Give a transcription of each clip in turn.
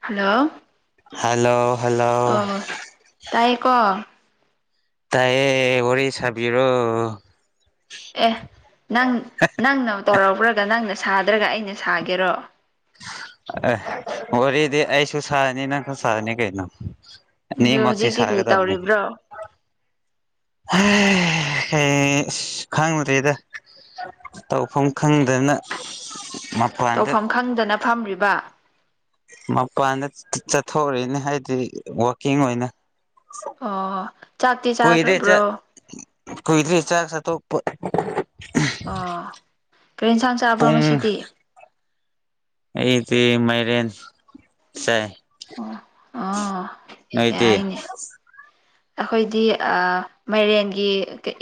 hello hello ꯑꯣ ꯇꯥꯏꯀꯣ ꯇꯥꯏꯌꯦ ꯋꯤꯔꯤ ꯁꯕꯤꯔꯣ ꯑꯦ ꯅꯪ ꯅꯪꯅ ꯇꯧꯔꯧꯕ꯭ꯔꯒ ꯅꯪꯅ ꯁꯥꯗ꯭ꯔꯒ ꯑꯩꯅ ꯁꯥꯒꯦꯔꯣ ꯑꯦ ꯋꯤꯔꯤꯗꯤ ꯑꯩꯁꯨ ꯁꯅꯤ ꯅꯪ ꯁꯅꯤ ꯀꯩꯅꯣ ꯑꯅꯤ ꯑꯗꯣ ꯃꯛꯁꯤ ꯍꯧꯖꯤꯛꯇꯤ ꯀꯔꯤ ꯁꯒꯗꯕꯅꯤ ꯇꯧꯔꯤꯕ꯭ꯔꯣ ꯑꯦ ꯀꯩ ꯏꯁ ꯈꯉꯗꯔꯤꯗ ꯇꯧꯐꯝ ꯈꯪꯗꯅ ꯇꯧꯐꯝ ꯈꯪꯗꯅ ꯐꯝ꯭ꯔꯤꯕ ꯃꯄꯥꯟꯗ ꯆꯠꯊꯣꯛꯔꯤꯅꯦ ꯍꯥꯏꯗꯤ ꯋꯀꯤꯡ ꯑꯣꯏꯅ ꯑꯣ ꯆꯥꯛꯇꯤ ꯀꯨꯏꯔꯦ ꯆ ꯆꯥꯈ꯭ꯔꯕ꯭ꯔꯣ ꯀꯨꯏꯔꯦ ꯆꯥꯛ ꯆꯥꯊꯣꯛ [unintelligible] ꯑꯣ ꯀꯔꯤ ꯌꯦꯟꯁꯥꯡ ꯆꯥꯕ꯭ꯔꯣ ꯄꯨꯡ ꯉꯁꯤꯗꯤ ꯑꯩꯗꯤ ꯃꯥꯏꯔꯦꯟ ꯁꯥꯏ ꯑꯣ ꯑꯣ ꯅꯣꯏꯗꯤ ꯌꯥꯏꯅꯦ ꯑꯩꯈꯣꯏꯗꯤ ꯃꯥꯏꯔꯦꯟꯒꯤ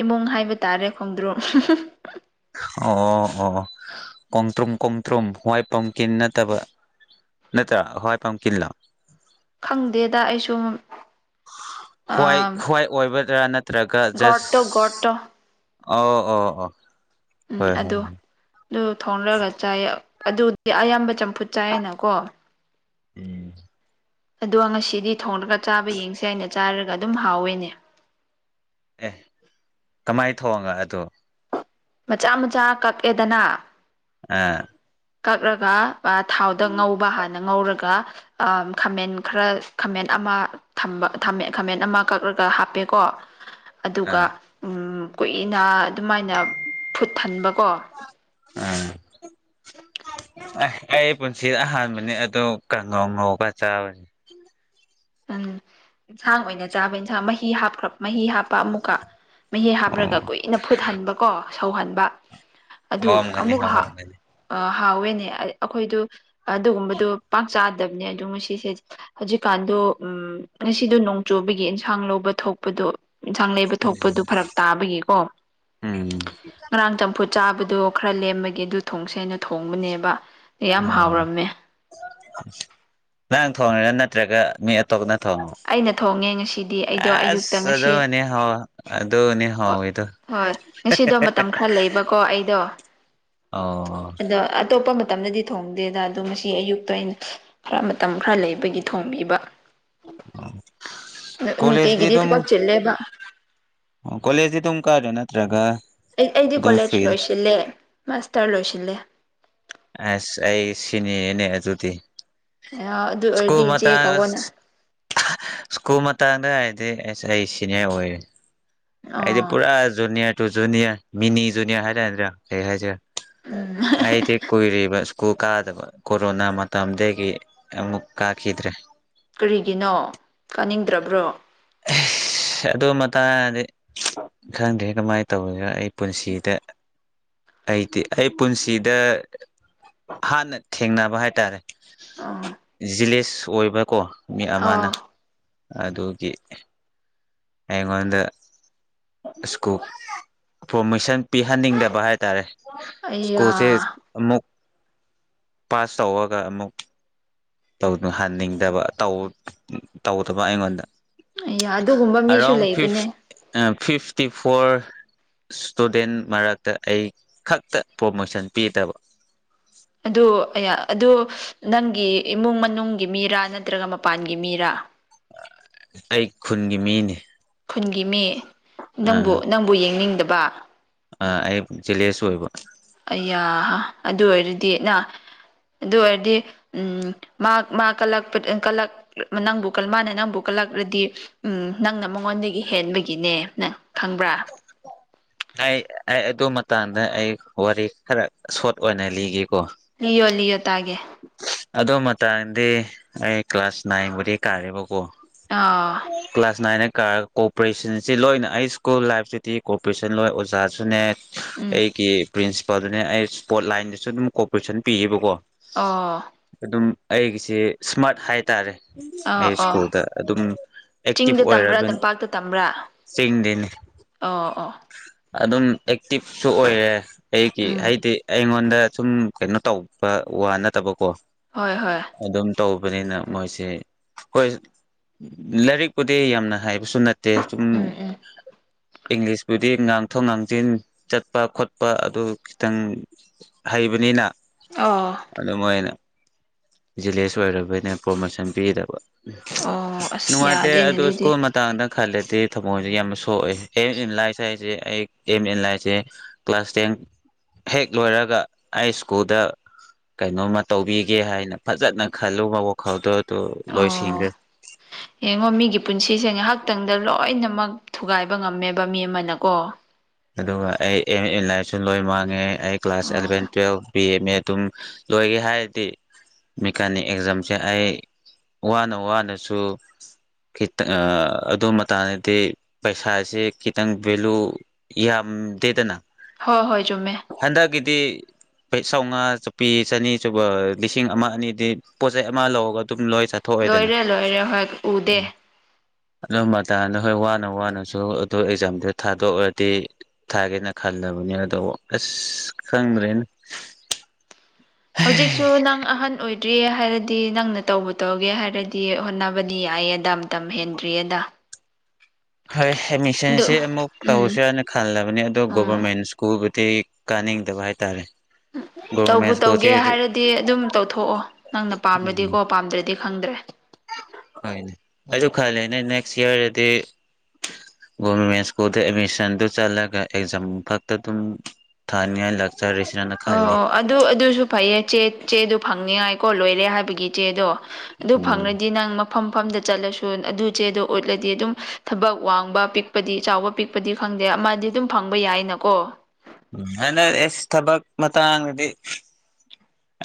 ꯏꯃꯨꯡ ꯍꯥꯏꯕ ꯇꯥꯔꯦ ꯈꯣꯡꯗ꯭ꯔꯨꯝ ꯍꯤꯍꯍꯤ ꯑꯣ ꯑꯣ ꯀꯣꯡꯇ꯭ꯔꯨꯝ ꯀꯣꯡꯇ꯭ꯔꯨꯝ ꯋꯥꯏ ꯄꯝꯀꯤꯟ ꯅꯠꯇꯕ ꯅꯠꯇ꯭ꯔ ꯍꯣꯏ ꯄꯝꯀꯤꯟ ꯂꯣ ꯈꯪꯗꯦꯗ ꯑꯩꯁꯨ ꯍꯏ ꯍ꯭ꯋꯥꯏ ꯑꯣꯏꯒꯗ꯭ꯔꯥ ꯅꯠꯇ꯭ꯔꯒ ꯖꯁ ꯒꯣꯠꯇꯣ ꯒꯣꯠꯇꯣ ꯑꯣ ꯑꯣ ꯑꯣ ꯎꯝ ꯍꯣꯏ ꯍꯣꯏ ꯑꯗꯨ ꯑꯗꯨ ꯊꯣꯡꯔꯒ ꯆꯥꯏꯌꯦ ꯑꯗꯨꯗꯤ ꯑꯌꯥꯝꯕ ꯆꯝꯐꯨꯠ ꯆꯥꯏꯌꯦꯅꯀꯣ ꯎꯝ ꯑꯗꯣ ꯉꯁꯤꯗꯤ ꯊꯣꯡꯡꯂꯒ ꯆꯥꯕ ꯌꯦꯡꯁꯦ ꯍꯥꯏꯅ ꯆꯥꯔꯒ ꯑꯗꯨꯝ ꯍꯥꯎꯋꯦꯅꯦ ꯑꯦ ꯀꯃꯥꯏꯅ ꯊꯣꯡꯒ ꯑꯗꯨ ꯃꯆꯥ ꯃꯆꯥ ꯀꯛꯑꯦꯗꯅ ꯑꯥ ꯀꯛꯂꯒ ꯊꯥꯎꯗ ꯉꯧꯕ ꯍꯥꯟꯅ ꯉꯧꯔꯒ ꯈꯥꯃꯦꯟ ꯈꯔ ꯈꯥꯃꯦꯟ ꯑꯃ ꯈꯥꯃꯦꯟ ꯑꯃ ꯀꯛꯂꯒ ꯍꯥꯞꯄꯦꯀꯣ ꯑꯗꯨꯒ ꯑꯥ ꯎꯝ ꯀꯨꯏꯅ ꯑꯗꯨꯃꯥꯏꯅ ꯐꯨꯠ ꯍꯟꯕꯀꯣ ꯎꯝ ꯑꯥ ꯑꯩ ꯄꯨꯟꯁꯤ ꯑꯍꯥꯟꯕꯅꯤ ꯑꯗꯨ ꯀꯥꯡꯉꯧ ꯉꯧꯒ ꯆꯥꯕꯁꯤ ꯎꯝ ꯌꯦꯟꯁꯥꯡ ꯑꯣꯏꯅ ꯆꯥꯕ ꯏꯟꯁꯥꯡ ꯃꯍꯤ ꯍꯥꯞꯈ꯭ꯔ ꯃꯍꯤ ꯍꯥꯞꯄ ꯑꯃꯨꯛꯀ ꯃꯍꯤ ꯍꯥꯞꯄꯂꯒ ꯑꯣ ꯀꯨꯏꯅ ꯐꯨꯠꯍꯟꯕꯀꯣ ꯁꯧꯍꯟꯕ ꯑꯗꯨ ꯍꯥꯎꯔꯝꯒꯅꯤ ꯑꯃꯨꯛ ꯍꯥꯎꯔꯝꯒꯅꯤ ꯑꯥ ꯍꯥꯎꯋꯦꯅꯦ ꯑꯩꯈꯣꯏꯗꯨ ꯑꯗꯨꯒꯨꯝꯕꯗꯨ ꯆꯥꯗꯕꯅꯦ ꯑꯗꯣ ꯉꯁꯤꯁꯦ ꯍꯧꯖꯤꯛꯀꯥꯟꯗꯣ ꯎꯝ ꯉꯁꯤꯗꯣ ꯅꯣꯡ ꯆꯨꯕꯒꯤ ꯑꯦꯟꯁꯥꯡ ꯂꯧꯕ ꯊꯣꯛꯄꯗꯣ ꯏꯟꯁꯥꯡ ꯂꯩꯕ ꯊꯣꯛꯄꯗꯨ ꯐꯔꯛ ꯇꯥꯕꯒꯤꯀꯣ ꯎꯝ ꯉꯔꯥꯡ ꯆꯝꯐꯨꯠ ꯆꯥꯕꯗꯣ ꯈꯔ ꯂꯦꯝꯃꯒꯦ ꯑꯗꯨ ꯊꯣꯡꯁꯦꯅ ꯊꯣꯡꯕꯅꯦꯕ ꯌꯥꯝ ꯑꯣ ꯍꯥꯎꯔꯝꯃꯦ ꯅꯪ ꯊꯣꯡꯉꯤꯔꯣ ꯅꯠꯇ꯭ꯔꯒ ꯃꯤ ꯑꯇꯣꯞꯅ ꯊꯣꯡꯉꯣ ꯑꯩꯅ ꯊꯣꯡꯉꯦ ꯉꯁꯤꯗꯤ ꯑꯩꯗꯣ ꯑꯌꯨꯛꯇ ꯑꯁ ꯉꯁꯤ ꯑꯗꯣꯅꯤ ꯍꯥꯎꯏꯗꯣ ꯑꯗꯣꯅꯤ ꯍꯥꯎꯏꯗꯣ ꯍꯣꯏ ꯉꯁꯤꯗꯣ ꯃꯇꯝ ꯈꯔ ꯂꯩꯕꯀꯣ ꯑꯩꯗꯣ ꯑꯣ ꯑꯗꯣ ꯑꯇꯣꯞꯄ ꯃꯇꯝꯗꯗꯤ ꯊꯣꯡꯗꯦꯗ ꯑꯗꯣ ꯃꯁꯤ ꯑꯌꯨꯛꯇ ꯑꯩꯅ ꯈꯔ ꯃꯇꯝ ꯈꯔ ꯂꯩꯕꯒꯤ ꯊꯣꯡꯕꯤꯕ ꯑꯥ ꯅꯨꯡꯇꯤꯒꯤꯗꯤ ꯊꯕꯛ ꯆꯤꯜꯂꯦꯕ ꯑꯣ ꯀꯣꯂꯦꯖꯗꯤ ꯑꯗꯨꯝ ꯀꯥꯔꯤꯔꯣ ꯅꯠꯇ꯭ꯔꯥꯒ ꯑꯩ ꯑꯩꯗꯤ ꯀꯣꯂꯦꯖ ꯂꯣꯏꯁꯤꯜꯂꯦ ꯃꯥꯁꯇꯔ ꯂꯣꯏꯁꯤꯜꯂꯦ ꯑꯁ ꯑꯩ ꯁꯤꯅꯤꯅꯦ ꯑꯗꯨꯗꯤ ꯑꯗꯨ ꯁꯀꯨꯜ ꯑꯣꯏꯔꯗꯤ ꯏꯆꯦ ꯀꯧꯋꯣꯅ ꯃꯇꯥꯁ ꯁ꯭ꯀꯨꯜ ꯃꯇꯝꯗ ꯍꯥꯏ ꯑꯁ ꯑꯩ ꯁꯤꯅꯤꯌꯔ ꯑꯣꯏꯔꯦ ꯑꯩꯗꯤ ꯑꯥ ꯄꯨꯔꯥ ꯖꯨꯅꯤꯌꯔ ꯖꯨꯅꯤꯌꯔ ꯃꯤꯅꯤ ꯖꯨꯅꯤꯌꯔ ꯍꯥꯏꯇꯥꯔꯦꯗ꯭ꯔꯥ ꯀꯩ ꯍꯥꯏꯁꯦ ꯎꯝ ꯑꯩꯗꯤ ꯀꯨꯏ ꯀꯨ ꯀꯥꯗꯕ ꯀꯣꯔꯣꯅꯥ ꯃꯇꯝꯗꯒꯤ ꯑꯃꯨꯛ ꯀꯥꯈꯤꯗ꯭ꯔꯦ ꯀꯔꯤꯒꯤꯅꯣ ꯀꯥꯅꯤꯡꯗ꯭ꯔꯕ꯭ꯔꯣ ꯑꯗꯨ ꯃꯇꯥꯗꯤ ꯈꯪꯗ꯭ꯔꯦ ꯀꯃꯥꯏꯅ ꯇꯧꯒꯦꯔ ꯑꯩ ꯄꯨꯟꯁꯤꯗ ꯑꯩꯗꯤ ꯑꯩ ꯄꯨꯟꯁꯤꯗ ꯍꯥꯟꯅ ꯊꯦꯡꯅꯕ ꯍꯥꯏꯇꯥꯔꯦ ꯑꯥ ꯖꯤꯂꯦꯁ ꯑꯣꯏꯕꯀꯣ ꯃꯤ ꯑꯃꯅ ꯑꯥ ꯑꯗꯨꯒꯤ ꯑꯩꯉꯣꯟꯗ ꯁ꯭ꯀꯨꯜ ꯄꯣꯔꯃꯤꯁꯟ ꯄꯤꯍꯟꯅꯤꯡꯗꯕ ꯍꯥꯏꯇꯥꯔꯦ ꯑꯩꯌꯥ ꯁ꯭ꯀꯨꯜꯁꯦ ꯑꯃꯨꯛ ꯄꯥꯁ ꯇꯧꯔꯒ ꯑꯃꯨꯛ ꯇꯧꯍꯟꯅꯤꯡꯗꯕ ꯇꯧꯗꯕ ꯑꯩꯉꯣꯟꯗ ꯑꯩꯌꯥ ꯑꯗꯨꯒꯨꯝꯕ ꯃꯤꯁꯨ ꯑꯔꯥꯘꯟ ꯐꯤ ꯂꯩꯕꯅꯦ ꯐꯤꯐꯇꯤ ꯐꯣꯔ ꯏꯁꯇꯨꯗꯦꯟ ꯃꯔꯛꯇ ꯑꯩ ꯈꯛꯇ ꯄ꯭ꯔꯣꯃꯣꯁꯟ ꯄꯤꯗꯕ ꯑꯗꯨ ꯑꯥꯌꯥ ꯑꯗꯨ ꯅꯪꯒꯤ ꯏꯃꯨꯡ-ꯃꯅꯨꯡꯒꯤ ꯃꯤꯔꯥ ꯅꯠꯇ꯭ꯔꯒ ꯃꯄꯥꯟꯒꯤ ꯃꯤꯔꯥ ꯑꯥꯑꯩ ꯈꯨꯟꯒꯤ ꯃꯤꯅꯤꯢ ꯈꯨꯟꯒꯤ ꯃꯤ ꯅꯪꯕꯨꯅꯪꯕꯨ ꯌꯦꯡꯅꯤꯡꯗꯕ ꯑꯥ ꯑꯩ ꯆꯦꯂꯦꯁꯨ ꯑꯣꯏꯕ ꯑꯩꯌꯥꯍ ꯥ ꯑꯗꯨ ꯑꯣꯏꯔꯗꯤ ꯅ ꯑꯗꯨꯑꯣꯏꯔꯗꯤ ꯎꯝ ꯃꯥ ꯃꯥ ꯀꯂꯛꯄ ꯀꯂꯛ ꯄꯥꯅꯪꯕꯨ ꯃꯥꯅ ꯅꯪꯕꯨ ꯀꯂꯛ ꯀ꯭ꯂꯛꯂꯗꯤ ꯎꯪꯝ ꯅꯪꯅꯥ ꯃꯉꯣꯟꯗꯒꯤ ꯍꯦꯟꯕꯒꯤꯅꯦ ꯅꯪ ꯈꯪꯕ꯭ꯔꯥ ꯇꯥꯏꯌꯦ ꯑꯩ ꯑꯗꯨꯃ ꯇꯥꯡꯗ ꯑꯩ ꯋꯥꯔꯤ ꯈꯔ ꯁꯣꯔꯠ ꯑꯣꯏꯅ ꯂꯤꯒꯦꯀꯣ ꯂꯤꯌꯣ ꯂꯤꯌꯣ ꯇꯥꯒꯦ ꯑꯗꯨꯃꯇꯥꯡꯗꯤ ꯑꯩ ꯀ꯭ꯂꯥꯁ ꯅꯥꯏꯟꯕꯨꯗꯤ ꯀꯥꯔꯦꯕꯀꯣ ꯑꯥ ꯀ꯭ꯂꯥꯁ ꯅꯥꯏꯟ ꯍꯦꯛ ꯀꯥꯔꯒ ꯀꯣꯑꯣꯄꯔꯦꯁꯟꯖꯤ ꯂꯣꯏꯅ ꯑꯩꯆ ꯁ꯭ꯀꯨꯜ ꯂꯥꯏꯐꯁꯤꯗꯤ ꯀꯣꯑꯣꯄꯔꯦꯁꯟ ꯂꯣꯏ ꯑꯣꯖꯥꯁꯨꯅꯦ ꯎꯝ ꯑꯩꯒꯤ ꯄ꯭ꯔꯤꯟꯁꯤꯄꯥꯜꯗꯨꯅꯦ ꯑꯩ ꯏꯁ꯭ꯄꯣꯔꯠ ꯂꯥꯏꯟꯗꯁꯜꯖꯨ ꯑꯗꯨꯝ ꯀꯣꯑꯣꯄꯔꯦꯁꯟ ꯄꯤꯌꯦꯕꯀꯣ ꯑꯣꯑꯣ ꯑꯩꯒꯤꯖꯦ ꯏꯁꯃꯥꯔꯠ ꯍꯥꯏꯇꯥꯔꯦ ꯑꯥ ꯑꯣ ꯑꯩꯁ꯭ꯀꯨꯜꯗ ꯑꯗꯨꯝ ꯑꯦꯛꯇꯤꯚ ꯆꯤꯡꯗ ꯑꯣꯏꯔꯕꯅꯤ ꯇꯝꯕ꯭ꯔꯥ-ꯇꯝꯄꯥꯛꯇ ꯇꯝꯕ꯭ꯔꯥ ꯆꯤꯡꯗꯤꯅꯤ ꯑꯣ ꯑꯣ ꯑꯗꯨꯝ ꯑꯦꯛꯇꯤꯞꯁꯨꯑꯣꯏꯔꯦ ꯑꯩꯒꯤ ꯎꯝ ꯍꯥꯏꯗꯤ ꯑꯩꯉꯣꯟꯗ ꯗꯥ ꯁꯨꯝ ꯀꯩꯅꯣ ꯇꯧꯕ ꯋꯥ ꯅꯠꯇꯕꯀꯣ ꯍꯣꯏꯍꯣꯏ ꯑꯗꯨꯝ ꯇꯧꯕꯅꯤꯅ ꯃꯣꯏꯖꯦ ꯍꯣꯏ ꯂꯥꯏꯔꯤꯛꯄꯨꯗꯤ ꯌꯥꯝꯅ ꯍꯥꯏꯕꯁꯨ ꯅꯠ ꯗꯦ ꯆꯨꯝ ꯎꯝ ꯎꯝ ꯏꯪꯂꯤꯁꯄꯨꯗꯤ ꯉꯥꯡꯊꯣꯛ -ꯉꯥꯡꯖꯤꯟ ꯆꯠꯄ- ꯈꯣꯠꯄ ꯑꯗꯨ ꯈꯤꯇꯪ ꯍꯥꯏ ꯢꯕꯅꯤꯅ ꯑꯣ ꯑꯗꯨ ꯃꯣꯏꯅ ꯖꯤꯂꯦꯁ ꯑꯣꯏꯔꯕꯩꯅ ꯄ꯭ꯔꯣꯃꯣꯁꯟ ꯄꯤꯗꯕ ꯑꯣ ꯑꯁ ꯅꯨꯡꯉꯥꯏꯇꯦ ꯌꯥꯗꯦꯅꯦ ꯑꯗꯨ ꯑꯗꯨꯗꯤ ꯁ꯭ꯀꯨꯜ ꯃꯇꯥꯡꯗ ꯈꯜꯂꯗꯤ ꯊꯃꯣꯏꯖꯦ ꯌꯥꯝꯅ ꯁꯣꯛꯑꯦ ꯑꯦꯝ ꯑꯦꯟ ꯂꯥꯏꯁ ꯍꯥꯏꯖꯦ ꯑꯩ ꯑꯦꯝ ꯑꯦꯟ ꯂꯥꯏꯖꯦ ꯀ꯭ꯂꯥꯁ ꯇꯦꯟ ꯍꯦꯛꯂꯣꯏꯔꯒ ꯑꯩꯁ꯭ꯀꯨꯜꯗ ꯀꯩꯅꯣꯃ ꯇꯧꯕꯤꯒꯦ ꯍꯥꯏꯅ ꯐꯖꯅ ꯈꯜꯂꯨꯕ ꯋꯥꯈꯜꯗꯨꯠ ꯑꯣꯑꯣ ꯌꯦꯡꯉꯣ ꯃꯤꯒꯤ ꯄꯨꯟꯁꯤꯖꯦ ꯉꯥꯏꯍꯥꯛꯇꯪ ꯗꯥ ꯂꯣꯏꯅꯃꯛ ꯊꯨꯒꯥꯏꯕ ꯉꯝꯃꯦꯕ ꯃꯤ ꯑꯃꯅꯀꯣ ꯑꯗꯨꯒ ꯑꯩ ꯑꯦꯝ ꯑꯦꯟꯂꯥꯏꯐꯁꯨ ꯂꯣꯏ ꯃꯥꯡꯉꯦ ꯑꯩ class eleven um twelve ꯕꯤꯑꯦ M A ꯑꯗꯨꯝ ꯂꯣꯏꯒꯦ ꯍꯥꯏꯔꯗꯤ ꯃꯦꯀꯥꯅꯤꯛ ꯑꯦꯛꯖꯥꯝꯖꯦ ꯑꯩ ꯋꯥꯅꯋꯥꯅꯁꯨ ꯈꯤꯇꯪ ꯑꯥꯑꯥ ꯑꯗꯨ ꯃꯇꯥꯡꯗꯗꯤ ꯄꯩꯁꯥꯁꯦ ꯈꯤꯇꯪ ꯚꯦꯂꯨ ꯌꯥꯝ ꯗꯦꯗꯅ ꯍꯣꯏ ꯍꯣꯏ ꯆꯨꯝꯃꯦ ꯍꯟꯗꯛꯀꯤꯗꯤ ꯄꯩꯁꯥꯝꯉꯥ ꯆꯞꯄꯤ ꯆꯅꯤ ꯁꯨꯕ ꯂꯤꯁꯤꯡ ꯑꯃ ꯑꯅꯤꯗꯤ ꯄꯣꯠ ꯆꯩ ꯑꯃ ꯂꯧꯔꯒ ꯑꯗꯨꯝ ꯂꯣꯏ ꯆꯥꯊꯣꯛꯑꯦꯗꯅ ꯂꯣꯏꯔꯦ ꯂꯣꯏꯔꯦ ꯍꯣꯏ ꯎꯗꯦ ꯑꯗꯨ ꯃꯇꯥꯡꯗꯨ ꯍꯣꯏ ꯋꯥꯅ-ꯋꯥꯅꯖꯨ ꯑꯗꯨ ꯑꯦꯛꯖꯥꯝꯗꯨ ꯊꯥꯗꯣꯛꯑꯦ ꯗꯤ ꯊꯥꯒꯦꯅ ꯈꯟꯗꯕꯅꯤꯅ ꯑꯗꯣ ꯑꯥꯁꯆ ꯈꯪꯗ꯭ꯔꯦꯅꯦ INAUDIBLE ꯍꯧꯖꯤꯛꯁꯨ ꯅꯪ ꯑꯥꯍꯟ ꯑꯣꯏ ꯗ꯭ꯔꯤ ꯍꯥꯏꯔꯗꯤ ꯅꯪꯅ ꯇꯧꯕꯨꯨ- ꯇꯧꯒꯦ ꯍꯥꯏꯔꯗꯤ ꯍꯣꯠꯅꯕꯗꯤ ꯌꯥꯏꯌꯦ ꯃꯇꯝ ꯍꯦꯟꯗ꯭ꯔꯤꯌꯦꯗ ꯍꯣꯏ ꯑꯗꯨ ꯑꯦꯠꯃꯤꯁꯟꯁꯤ ꯑꯃꯨꯛ ꯎꯝ ꯇꯧꯁꯤꯔ ꯍꯥꯏꯅ ꯈꯜꯂꯕꯅꯤ ꯑꯗꯣ ꯑꯣ ꯒꯣꯕꯔꯃꯦꯟ ꯁ꯭ꯀꯨꯜꯕꯨ ꯗꯤ ꯀꯥꯅꯤꯡꯗꯕ ꯍꯥꯏꯇꯥꯔꯦ ꯒꯣꯕꯔꯃꯦꯟ ꯇꯧꯕꯨ ꯁ꯭ꯀꯨꯜꯁꯤ ꯇꯧꯒꯦ ꯍꯥꯏꯔꯗꯤ ꯑꯗꯨꯝ ꯇꯧꯊꯣꯛꯑꯣ ꯅꯪꯅ ꯄꯥꯝꯃꯗꯤꯀꯣ ꯄꯥꯝꯗ꯭ꯔꯗꯤ ꯈꯪꯗ꯭ꯔꯦ ꯍꯣꯏ ꯑꯩꯖꯨ ꯈꯅꯦ ꯅꯦꯛꯁ ꯏꯌꯔꯗꯗꯤ ꯒꯣꯃꯦꯟ ꯁꯀꯨꯜ ꯑꯦꯗꯃꯤꯁꯟ ꯇ ꯆꯂꯒ ꯑꯦꯛꯖꯝ ꯐꯛꯇ ꯗꯨꯝ ꯊꯅꯤꯉꯥꯏ ꯑꯣ ꯑꯣ ꯑꯗꯨ ꯑꯗꯨꯁꯨ ꯐꯩꯌꯦ ꯆꯦꯗꯨ ꯐꯪꯅꯤꯉꯥꯏꯀꯣ ꯂꯣꯏꯔꯦ ꯍꯥꯏꯕꯒꯤ ꯆꯦꯗꯣ ꯑꯗꯨ ꯎꯝ ꯐꯪꯉꯗꯤ ꯅꯪ ꯃꯐꯝ ꯃꯐꯝꯗ ꯆꯠꯂꯁꯨ ꯑꯗꯨ ꯆꯦꯗꯣ ꯎꯠꯂꯗꯤ ꯑꯗꯨꯝ ꯊꯕꯛ ꯋꯥꯡꯕ ꯄꯤꯛꯄꯗꯤ ꯆꯥꯎꯕ ꯄꯤꯛꯄꯗꯤ ꯐꯪꯗ ꯈꯪꯗꯦ ꯑꯃꯗꯤ ꯑꯗꯨꯝ ꯐꯪꯕ ꯌꯥꯏꯅꯀꯣ ꯎꯝ ꯑꯗ ꯑꯦꯁ ꯊꯕꯛ ꯃꯇꯥꯡꯗꯗꯤ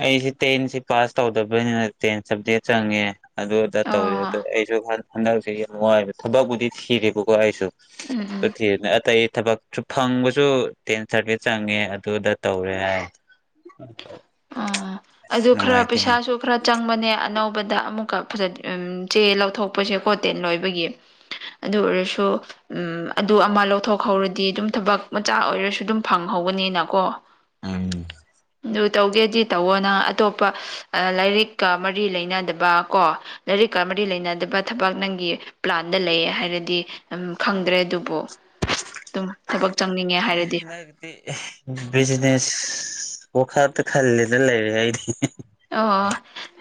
ꯑꯩꯁꯤ ꯇꯦꯟꯁꯤ ꯄꯥꯁ ꯇꯧꯗꯕꯅꯤꯅ ꯇꯦꯟ ꯁꯕꯖꯦꯛ ꯆꯪꯉꯦ ꯑꯗꯨ ꯑꯗꯥ ꯇꯧꯔꯦ ꯑꯣ ꯑꯗ ꯑꯩꯁꯨ ꯍꯟꯗꯛꯁꯤ ꯌꯥꯝ ꯋꯥꯏꯕ ꯊꯕꯛꯄꯨꯗꯤ ꯊꯤꯔꯦꯕꯀꯣ ꯑꯩꯁꯨ ꯎꯝ ꯎꯝ ꯊꯅꯦ ꯑꯇꯩ ꯊꯕꯛꯁꯨ ꯐꯪꯕꯁꯨ ꯇꯦꯟ ꯁꯥꯔꯚꯤꯁ ꯆꯪꯉꯦ ꯑꯗꯨꯗ ꯇꯧꯔꯦ ꯍꯥꯏ ꯑꯣ ꯑꯗꯨ ꯈꯔ ꯅꯨꯡꯉꯥꯏꯇꯦ ꯄꯩꯁꯥꯁꯨ ꯈꯔ ꯆꯪꯕꯅꯦ ꯑꯅꯧꯕ ꯕꯗ ꯑꯃꯨꯛꯀ ꯐꯖ ꯆꯦ ꯂꯧꯊꯣꯛꯄꯁꯦ ꯈꯣ ꯇꯦꯟ ꯂꯣꯏꯕꯒꯤ ꯑꯗꯨ ꯑꯣꯏꯔꯁꯨ ꯎꯝ ꯑꯗꯨ ꯑꯃ ꯂꯧꯊꯣꯛꯍꯧꯔꯗꯤ ꯑꯗꯨꯝ ꯊꯕꯛ ꯃꯆꯥ ꯑꯣꯏꯔꯁꯨ ꯑꯗꯨꯝ ꯐꯪꯍꯧ ꯍꯧꯕꯅꯤꯅꯀꯣ ꯎꯝ ꯑꯗꯨ ꯇꯧꯒꯦꯗꯤ ꯇꯧꯋꯣ ꯅꯪ ꯑꯇꯣꯞꯄ ꯂꯥꯏꯔꯤꯛꯀ ꯃꯔꯤ ꯂꯩꯅꯗꯕ ꯀꯣ ꯂꯥꯏꯔꯤꯛ ꯀꯔꯤꯀ ꯃꯔꯤ ꯂꯩꯅꯗꯕ ꯊꯕꯛ ꯅꯪꯒꯤ ꯄ꯭ꯂꯥꯟꯗ ꯂꯩ ꯍꯥꯏꯔꯗꯤ ꯎꯝ ꯈꯪꯗ꯭ꯔꯦ ꯑꯗꯨꯕꯨ ꯑꯗꯨꯝ ꯊꯕꯛ ꯆꯪꯅꯤꯡꯉꯦ ꯍꯥꯏꯔꯗꯤ ꯗꯤ ꯕꯤꯖꯤꯅꯦꯁ ꯄꯣꯈꯠꯇ ꯈꯜꯂꯦꯗ ꯂꯩꯔꯦ ꯑꯩꯗꯤ ꯑꯣ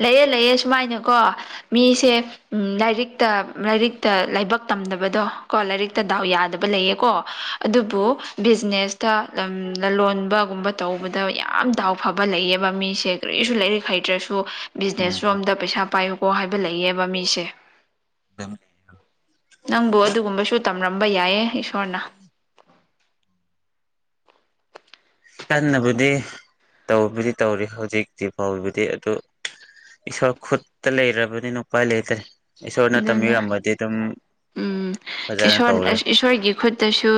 ꯂꯩꯌꯦ ꯂꯩꯑ ꯁꯨꯃꯥꯏꯅꯀꯣ ꯃꯤꯁꯦ ꯎꯝ ꯂꯥꯏꯔꯤꯛ ꯇ ꯂꯥꯏꯔꯤꯛꯇ ꯂꯥꯏꯕꯛ ꯇꯝꯗꯕꯗꯣ ꯀꯣ ꯂꯥꯏꯔꯤꯛꯇ ꯗꯥꯎ ꯌꯥꯗꯕ ꯂꯩꯌꯦꯀꯣ ꯑꯗꯨꯕꯨ ꯕꯤꯖꯤꯅꯦꯁꯇ ꯂꯂꯣꯟꯕꯒꯨꯝꯕ ꯇꯧꯕꯗ ꯌꯥꯝ ꯗꯥꯎ ꯐꯕ ꯂꯩꯌꯦꯕ ꯃꯤꯁꯦ ꯀꯔꯤꯁꯨ ꯂꯥꯏꯔꯤꯛ ꯍꯩꯇ꯭ꯔꯁꯨ ꯕꯤꯖꯤꯅꯦꯁꯔꯣꯝꯗ ꯄꯩꯁꯥ ꯄꯥꯏꯌꯨꯀꯣ ꯍꯥꯏꯕ ꯂꯩꯌꯦꯕ ꯃꯤꯁꯦ ꯑꯗꯨꯝ ꯅꯪꯕꯨ ꯑꯗꯨꯒꯨꯝꯕꯁꯨ ꯇꯝ ꯔꯝꯕ ꯌꯥꯏꯌꯦ ꯏꯁꯣꯔꯅ ꯀꯟꯅꯕꯨꯗꯤ ꯇꯕꯨꯗꯤ ꯇꯧꯔꯤ ꯍꯧꯖꯤꯛꯇꯤ ꯐꯥꯎꯕꯗꯤ ꯑꯗꯨ ꯏꯁꯣꯔ ꯈꯨꯠꯇ ꯂꯩꯔꯕꯅꯤꯅ ꯎꯄꯥꯥꯏ ꯂꯩꯇꯦ ꯏꯁꯣꯔꯅ ꯑꯗꯨꯅꯦ ꯇꯝꯕꯤꯔꯝꯕꯗꯤ ꯑꯗꯨꯝ ꯎꯝ ꯐꯖꯅ ꯏꯁꯣꯔ ꯇꯧꯔꯦ ꯏꯁꯣꯔꯒꯤ ꯈꯨꯠꯇꯁꯨ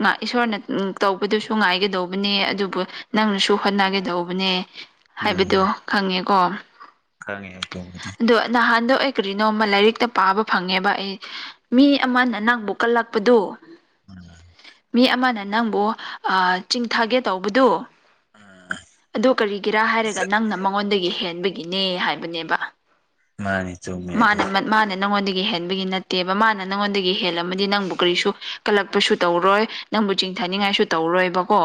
ꯉꯥꯛ ꯏꯁꯣꯔꯅ ꯎꯝ ꯇꯧꯕꯗꯨꯁꯨ ꯉꯥꯏꯒꯗꯧꯕꯅꯦ ꯑꯗꯨꯒꯥ ꯅꯪꯅꯁꯨ ꯍꯣꯠꯅꯒꯗꯧꯕꯅꯦ ꯎꯝ ꯍꯥꯏꯕꯗꯣ ꯈꯪꯉꯦꯀꯣ ꯈꯪꯉꯦ ꯇꯧꯕꯗꯤ ꯑꯗꯣ ꯅꯍꯥꯟꯗꯣ ꯑꯩ ꯀꯔꯤꯅꯣꯃ ꯂꯥꯏꯔꯤꯛꯇ ꯄꯥꯕ ꯐꯪꯉꯦꯕ ꯑꯩ ꯃꯤ ꯑꯃꯅ ꯅꯪꯕꯨ ꯀꯜꯂꯛꯄꯗꯨ ꯃꯤ ꯑꯃꯅ ꯅꯪꯕꯨ ꯑꯥ ꯆꯤꯡꯊꯒꯦ ꯇꯧꯕꯗꯨ ꯑꯗꯨ ꯀꯔꯤꯒꯤꯔꯥ ꯍꯥꯏꯔꯒ ꯅꯪꯅ ꯃꯉꯣꯟꯗꯒꯤ ꯍꯦꯟꯕꯒꯤꯅꯦ ꯍꯥꯏꯕꯅꯦꯕ ꯃꯥꯅꯤ ꯆꯨꯝꯃꯦ ꯑꯗꯨ ꯗꯒꯤ ꯍꯦꯟꯕꯒꯤ ꯅꯠꯇꯦꯕ ꯃꯥꯅ ꯅꯪꯉꯣꯟꯗꯒꯤ ꯍꯜꯂꯝꯃꯗꯤ ꯅꯪꯕꯨ ꯀꯔꯤꯁꯨ ꯀꯂꯛꯄꯁꯨ ꯇꯧꯔꯣꯏ ꯅꯪꯕꯨ ꯆꯤꯡ ꯆꯤꯡꯊꯅꯤꯡꯉꯥꯏꯁꯨ ꯇꯧꯔꯣꯏꯕꯀꯣ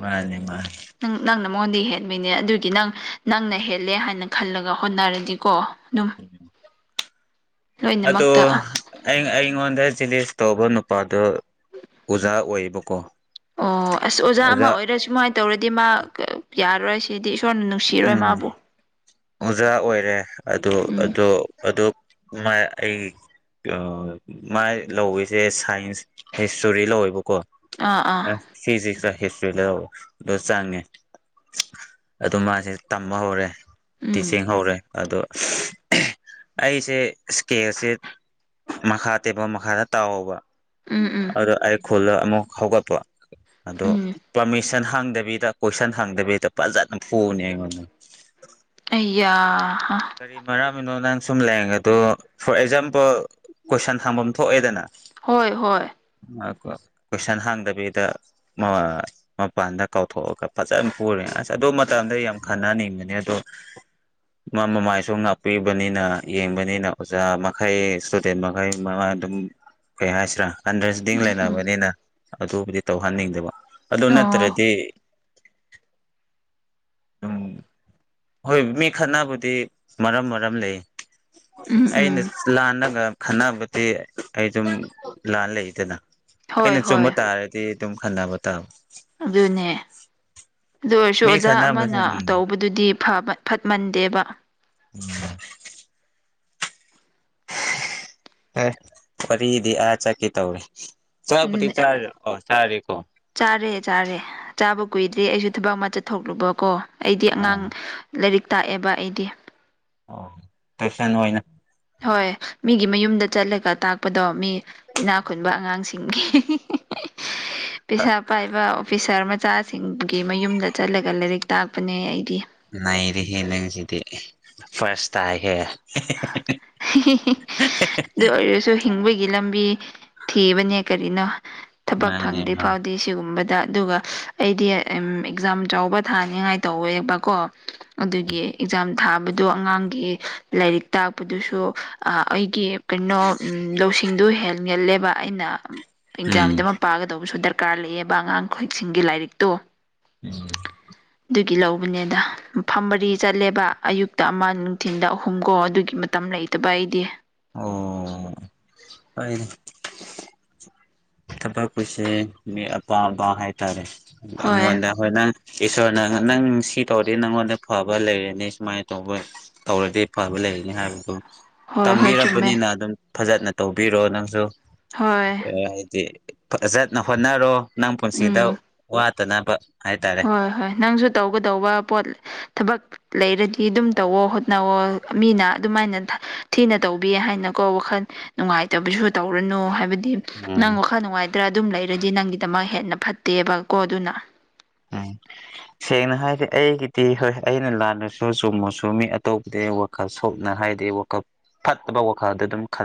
ꯃꯥꯅꯦ ꯃꯥꯅꯦ ꯃꯉꯣꯟꯗꯤ ꯍꯦꯠꯕꯩꯅꯦ ꯑꯗꯨꯒꯤ ꯅꯪ ꯅꯪꯅ ꯍꯦꯜꯂꯦ ꯍꯥꯏꯅ ꯈꯜꯂꯒ ꯍꯣꯠꯅꯔꯗꯤꯀꯣ ꯑꯗꯨꯝ ꯑꯗꯣ ꯂꯣꯏꯅꯃꯛꯇ ꯑꯩ ꯑꯩ ꯑꯩꯉꯣꯟꯗ ꯖꯤꯂꯤꯁ ꯇꯧꯕ ꯅꯨꯄꯥꯗꯣ ꯑꯣꯖꯥ ꯑꯣꯏꯕꯀꯣ ꯑꯣ ꯑꯁ ꯑꯣꯖꯥ ꯑꯃ ꯑꯣꯏꯔ ꯁꯨꯃꯥꯏꯅ ꯇꯧꯔꯗꯤ ꯃꯥ ꯌꯥꯔꯔꯣꯏ ꯁꯤꯗꯤ ꯏꯁꯣꯔꯅ ꯅꯨꯡꯁꯤꯔꯣꯏ ꯎꯝ ꯃꯥꯕꯨ ꯑꯣꯖꯥ ꯑꯣꯏꯔꯦ ꯑꯗꯨ ꯎꯝ ꯑꯗꯨ ꯑꯗꯨ ꯃ ꯑꯩ ꯃꯥ ꯂꯧꯏꯁꯦ ꯁꯥꯏꯟꯁ ꯍꯤꯁꯇꯣꯔꯤ ꯂꯧꯋꯦꯕ ꯀꯣ ꯑꯥ ꯑꯥ ꯐꯤꯖꯤꯛꯁꯔ ꯍꯤꯁꯇ꯭ꯔꯤꯔ ꯂꯧ ꯑꯗꯨ ꯆꯪꯉꯦ ꯑꯗꯨ ꯃꯥꯁꯦ ꯇꯝꯕ ꯍꯧꯔꯦ ꯎꯝ ꯇꯤꯆꯤꯡ ꯍꯧꯔꯦ ꯑꯗꯣ ꯑꯩꯁꯦ ꯏꯁꯀꯦꯁꯦ ꯃꯈꯥ ꯇꯦꯕꯜ ꯃꯈꯥꯗ ꯇꯧꯕ ꯎꯝ ꯎꯝ ꯑꯗꯣ ꯑꯩ ꯈꯨꯜꯗ ꯑꯃꯨꯛ ꯍꯧꯒꯠꯄ ꯑꯗꯣ ꯎꯝ ꯄꯥꯔꯃꯤꯁꯟ ꯍꯪꯗꯕꯤꯗ ꯀꯣꯏꯁꯟ ꯍꯪꯗꯕꯤꯗ ꯐꯖꯅ ꯐꯨꯕꯅꯦ ꯑꯩꯉꯣꯟꯗ ꯌꯥ ꯀꯔꯤ ꯃꯔꯝ ꯀꯩꯅꯅꯣ ꯅꯪ ꯁꯨꯝ ꯂꯩꯌꯦꯡꯉꯦ ꯑꯗꯣ ꯐꯣꯔ ꯑꯦꯛꯖꯥꯝꯄꯜ ꯀꯣꯏꯁꯟ ꯍꯪꯐꯝ ꯊꯣꯛꯑꯦꯗꯅ ꯍꯣꯏ ꯍꯣꯏ ꯀꯣꯏꯁꯟ ꯍꯪꯗꯕꯤꯗ ꯃꯥ ꯃꯄꯥꯟꯗ ꯀꯧꯊꯣꯛꯑꯒ ꯐꯖꯅ ꯄꯨꯔꯦ ꯑꯁ ꯑꯗꯨ ꯃꯇꯝꯗ ꯌꯥꯝ ꯈꯟꯅꯅꯤꯡꯕꯅꯦ ꯑꯗꯣ ꯃꯥ ꯃꯃꯥꯏꯁꯨ ꯉꯥꯛꯄꯤꯕꯅꯤꯅ ꯌꯦꯡꯕꯅꯤꯅ ꯑꯣꯖꯥ ꯃꯈꯩ ꯏꯁꯇꯨꯗꯦꯟ ꯃꯈꯩ ꯃ ꯑꯗꯨꯝ ꯀꯩ ꯍꯥꯏꯁꯤꯔꯥ ꯑꯟꯗꯔꯁꯗꯤꯡ ꯎꯝ ꯎꯝ ꯂꯩꯅꯕꯅꯤꯅ ꯑꯗꯨꯕꯨꯗꯤ ꯇꯧꯍꯟꯅꯤꯡꯗꯕ ꯑꯗꯨ ꯑꯣ ꯅꯠꯇ꯭ꯔꯗꯤ ꯎꯝ ꯍꯣꯏ ꯃꯤ ꯈꯠꯅꯥꯕꯨ ꯏ ꯃꯔꯝ ꯃꯔꯝ ꯂꯩꯌꯦ ꯎꯝ ꯎꯝ ꯑꯩꯅ ꯂꯥꯟꯅꯒ ꯈꯟꯅꯕꯗꯤ ꯑꯩ ꯑꯗꯨꯝ ꯂꯥꯟ ꯂꯩꯗꯅ ꯍꯣꯏ ꯑꯩꯅ ꯆꯨꯝꯕ ꯍꯣꯏ ꯇꯥꯔꯗꯤ ꯗꯨꯝ ꯈꯅꯥꯕꯇꯥꯕ ꯑꯗꯨꯅꯦ ꯑꯗꯨ ꯑꯣꯏꯔꯁꯨ ꯃꯤ ꯑꯣꯖꯥ ꯈꯠꯅꯕꯁꯦ ꯑꯃꯅ ꯎꯝ ꯇꯧꯕꯗꯨꯗꯤ ꯐꯕ ꯐꯠꯃꯟꯗꯦꯕ ꯎꯝ ꯑꯦ ꯋꯥꯔꯤꯗꯤ ꯑꯥ ꯆꯠꯀꯦ ꯇꯧꯔꯦ ꯆꯥꯛꯄꯨꯗꯤ ꯑꯗꯨꯅꯦ ꯆꯥꯔꯦ ꯑꯣ ꯆꯥꯔꯦꯀꯣ ꯆꯥꯔꯦ ꯆꯥꯔꯦ ꯆꯥꯕ ꯀꯨꯏꯗ꯭ꯔꯤ ꯑꯩꯁꯨ ꯊꯕꯛ ꯑꯃ ꯆꯠꯊꯣꯛꯂꯨꯕ ꯀꯣ ꯑꯩꯗꯤ ꯑꯉꯥꯡ ꯑꯣ ꯂꯥꯏꯔꯤꯛ ꯇꯥꯛꯑꯦꯕ ꯑꯩꯗꯤ ꯑꯣ ꯇꯨꯏꯁꯟ ꯑꯣꯏꯅ ꯍꯣꯏ ꯃꯤꯒꯤ ꯃꯌꯨꯝꯗ ꯆꯠꯂꯒ ꯇꯥꯛꯄꯗꯣ ꯃꯤ ꯏꯅꯥꯛ ꯈꯨꯨꯟꯕ ꯑꯉꯥꯡꯁꯤꯡꯒꯤ ꯍꯤ ꯍꯤ ꯍꯤ ꯄꯩꯁꯥ ꯄꯥꯏꯕ ꯑꯣꯐꯤꯁꯥꯔ ꯃꯆꯥꯁꯤꯡꯒꯤ ꯃꯌꯨꯝꯗ ꯆꯠꯂꯒ ꯂꯥꯏꯔꯤꯛ ꯇꯥꯛꯄꯅꯦ ꯑꯩꯗꯤ ꯅꯩꯔꯦꯍꯦ ꯅꯪꯁꯤꯗꯤ ꯐꯥꯔꯁ ꯇꯥꯏꯍꯦ ꯍꯤ ꯍꯤ ꯑꯗꯨ ꯑꯣꯏꯔꯁꯨ ꯍꯤꯡꯕꯒꯤ ꯂꯝ ꯊꯤꯕꯅꯦ ꯀꯔꯤꯅꯣ ꯊꯕꯛ ꯃꯥꯅꯦ ꯐꯪꯗ꯭ꯔꯤ ꯃꯥꯅꯦ ꯐꯥꯎꯗꯤ ꯁꯤꯒꯨꯝꯕ ꯗ ꯑꯗꯨꯒ ꯑꯩꯗꯤ ꯑꯦꯛꯖꯥꯝ ꯆꯥꯎꯕ ꯊꯥꯅꯤꯉꯥꯏ ꯇꯧꯋꯦꯕꯀꯣ ꯑꯗꯨꯒꯤ ꯑꯦꯛꯖꯥꯝ ꯊꯥꯕꯗꯣ ꯑꯉꯥꯡꯒꯤ ꯂꯥꯏꯔꯤꯛ ꯇꯥꯛꯄꯗꯨꯁꯨ ꯑꯥ ꯑꯩꯒꯤ ꯀꯩꯅꯣ ꯎꯝ ꯂꯧꯁꯤꯡꯗꯨ ꯍꯦꯟꯒꯜꯂꯦꯕ ꯑꯩꯅ ꯎꯝ ꯑꯦꯛꯖꯥꯝꯗꯃꯛ ꯄꯥꯒꯗꯧꯕꯁꯨ ꯗꯔꯀꯥꯔ ꯂꯩꯑꯦꯕ ꯑꯉꯥꯡ ꯈꯣꯏꯁꯤꯡꯒꯤ ꯂꯥꯏꯔꯤꯛꯇꯣ ꯎꯝ ꯑꯗꯨꯒꯤ ꯂꯧꯕꯅꯦꯗ ꯃꯐꯝ ꯃꯔꯤ ꯆꯠꯂꯦꯕ ꯑꯌꯨꯛꯇ ꯑꯃ ꯅꯨꯡꯊꯤꯟꯗ ꯑꯍꯨꯝ ꯍꯨꯝꯀꯣ ꯑꯗꯨꯒꯤ ꯃꯇꯝ ꯂꯩꯇꯕ ꯑꯩꯗꯤ ꯑꯣ ꯑꯩ ꯊꯕꯛꯄꯨꯁꯦ ꯃꯤ ꯑꯄꯥꯝ ꯑꯄꯥꯝ ꯍꯥꯏꯇꯥꯔꯦ ꯑꯩꯉꯣꯟꯗ ꯍꯣꯏ ꯅꯪ ꯏꯁꯣꯔꯅ ꯅꯪ ꯁꯤ ꯇꯧꯔꯗꯤ ꯅꯪꯉꯣꯟꯗ ꯐꯕ ꯂꯩꯔꯅꯤ ꯁꯨꯃꯥꯏꯅ ꯇꯧꯕ ꯇꯧꯔꯗꯤ ꯐꯕ ꯂꯩ ꯂꯩꯅꯤ ꯍꯥꯏꯕꯗꯨ ꯍꯣꯏ ꯍꯣꯏ ꯆꯨꯝꯃꯦ ꯇꯝꯕꯤꯔꯕꯅꯤꯅ ꯑꯗꯨꯝ ꯐꯖꯅ ꯇꯧꯕꯤꯔꯣ ꯅꯪꯁꯨ ꯍꯣꯏ [unintelligible] ꯐꯖꯅ ꯍꯣꯠꯅꯔꯣ ꯅꯪ ꯄꯨꯟꯁꯤꯗ ꯎꯝ ꯋꯥꯠꯇꯅꯕ ꯍꯥꯏꯇꯥꯔꯦ ꯍꯣꯏ ꯍꯣꯏ ꯅꯪꯁꯨ ꯇꯧꯒꯗꯧꯕ ꯄꯣꯠ ꯊꯕꯛ ꯂꯩꯔꯗꯤ ꯑꯗꯨꯝ ꯇꯧꯋꯣ ꯍꯣꯠꯅꯧꯋꯣ ꯃꯤꯅ ꯑꯗꯨꯝꯃꯥꯏꯅ ꯊꯤꯅ ꯇꯧꯕꯤ ꯍꯥꯏꯅꯀꯣ ꯋꯥꯈꯟ ꯅꯨꯡꯉꯥꯏꯇꯕꯁꯨ ꯇꯧꯔꯅꯨ ꯍꯥꯏꯕ ꯗꯤ ꯅꯪ ꯎꯝ ꯋꯥꯈꯟ ꯅꯨꯡꯉꯥꯏꯇ꯭ꯔ ꯑꯗꯨꯝ ꯂꯩꯔꯗꯤ ꯅꯪꯒꯤꯗꯃꯛ ꯍꯦꯟꯅ ꯐꯠꯇꯦꯕ ꯀꯣ ꯑꯗꯨꯅ [unintelligible] ꯁꯦꯡꯅ ꯍꯥꯏꯗꯤ ꯑꯩꯒꯤꯗꯤ ꯍꯣꯏ ꯑꯩꯅ ꯂꯥꯟꯂꯁꯨ ꯆꯨꯝꯃꯁꯨ ꯃꯤ ꯑꯇꯣꯞꯄꯗꯤ ꯋꯥꯈꯜ ꯁꯣꯛꯅ ꯍꯥꯏꯗꯤ ꯋꯥꯈꯜ ꯐꯠꯇꯕ ꯋꯥꯈꯜꯗ ꯑꯗꯨꯝ ꯈꯟ